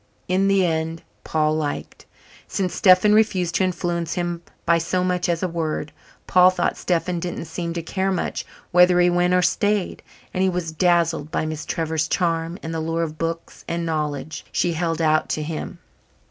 In the end Paul "liked," since Stephen refused to influence him by so much as a word. Paul thought Stephen didn't seem to care much whether he went or stayed, and he was dazzled by Miss Trevor's charm and the lure of books and knowledge she held out to him.